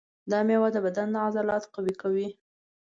دا مېوه د بدن عضلات قوي کوي.